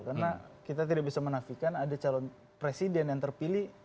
karena kita tidak bisa menafikan ada calon presiden yang terpilih